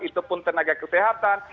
itu pun tenaga kesehatan